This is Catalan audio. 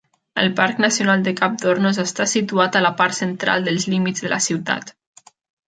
El Parc Nacional de Cap d"Hornos està situat a la part central dels límits de la ciutat.